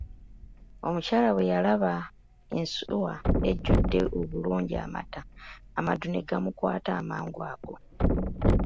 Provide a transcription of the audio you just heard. Omukyala bwe yalaba ensuwa ejjude obulungi amata, amaddu ne gamukwata amangu ago.